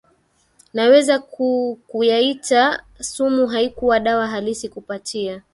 naweza ku kuyaita sumu haikuwa dawa halisi kupatia